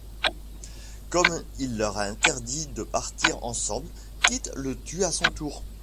Comme il leur interdit de partir ensemble, Kit le tue à son tour.